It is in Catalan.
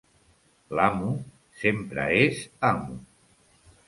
L'amo sempre és amo.